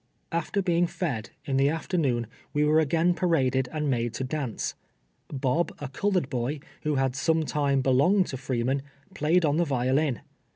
After being fed, in the afternoon, we were again 2>araded and made to dance. Bo]), a colored boy, who had some time belonged to Freeman, played on the violin.